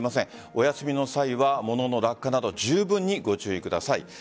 お休みの際は物の落下などじゅうぶんにご注意ください。